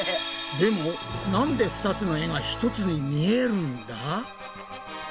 でもなんで２つの絵が一つに見えるんだ？